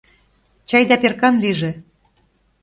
Чайда перкан лийже!..